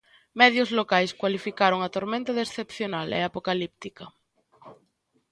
Medios locais cualificaron a tormenta de excepcional e apocalíptica.